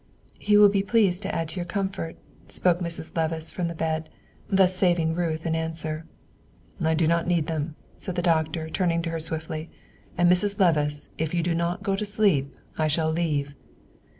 "He will be pleased to add to your comfort," spoke Mrs. Levice from the bed, thus saving Ruth an answer. "I do not need them," said the doctor, turning to her swiftly; "and, Mrs. Levice, if you do not go to sleep, I shall leave."